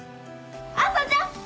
「朝ちゃん！」